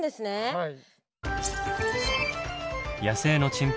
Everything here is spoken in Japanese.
はい。